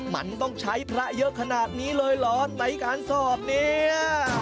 มันต้องใช้พระเยอะขนาดนี้เลยเหรอในการสอบเนี่ย